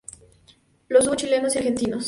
Los hubo chilenos y argentinos.